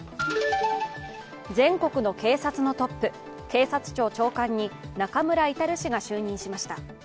全国の警察のトップ、警察庁長官に中村格氏が就任しました。